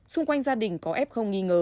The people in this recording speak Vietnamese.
xung quanh gia đình có f nghi ngờ